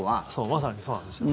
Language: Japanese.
まさにそうなんですよ。